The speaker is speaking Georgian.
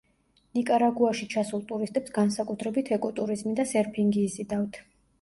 ნიკარაგუაში ჩასულ ტურისტებს განსაკუთრებით ეკოტურიზმი და სერფინგი იზიდავთ.